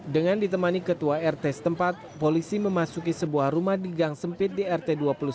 dengan ditemani ketua rt setempat polisi memasuki sebuah rumah di gang sempit di rt dua puluh satu